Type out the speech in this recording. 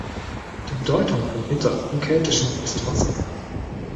Die Bedeutung von Itter im Keltischen ist Wasser.